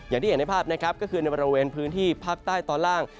อย่างที่เห็นในภาพนะครับก็คือในบริเวณพื้นที่ภาคใต้ตอนล่าง